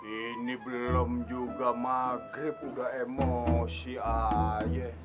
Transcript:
ini belum juga maghrib udah emosi air